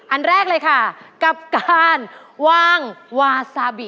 อันแรกเลยค่ะกับการวางวาซาบิ